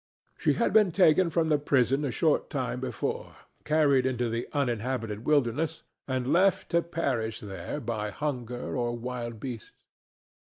She had been taken from the prison a short time before, carried into the uninhabited wilderness and left to perish there by hunger or wild beasts.